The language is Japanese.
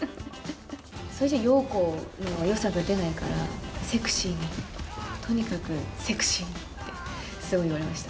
それじゃあ、ヨウコのよさが出ないから、セクシーに、とにかくセクシーにって、すごい言われました。